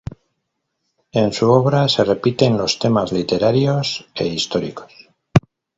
En su obra se repiten los temas literarios e históricos.